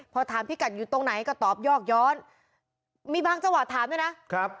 พอถามพี่กัลอยู่ตรงไหนก็ตอบยอกย้อนมีบ้างเจ้าหวัดถามใช่ไหมครับ